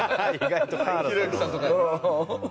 ひろゆきさんとかより？